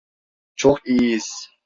Çok iyiyiz.